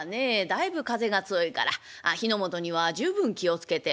だいぶ風が強いから火の元には十分気を付けて」。